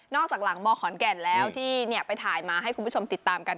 จากหลังมขอนแก่นแล้วที่ไปถ่ายมาให้คุณผู้ชมติดตามกัน